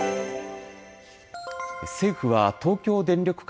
政府は東京電力